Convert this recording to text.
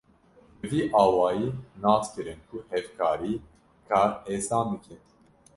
Bi vî awayî nas kirin ku hevkarî, kar hêsan dike.